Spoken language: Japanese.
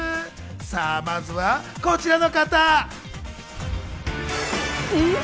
まずはこちらの方。